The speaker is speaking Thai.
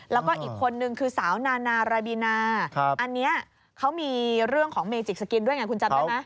แล้วก็อีกคนนึงคือสาวนานาราบีนาอันนี้เขามีเรื่องของเมจิกสกินด้วยไงคุณจำได้ไหม